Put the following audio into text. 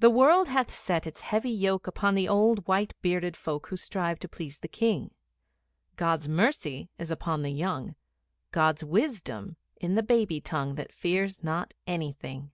The World hath set its heavy yoke Upon the old white bearded folk Who strive to please the King. God's mercy is upon the young, God's wisdom in the baby tongue That fears not anything.